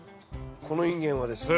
このインゲンはですね